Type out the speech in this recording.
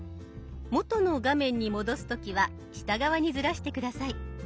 元の画面に戻す時は下側にずらして下さい。